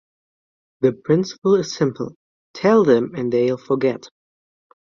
The principle is simple: Tell them and they'll forget.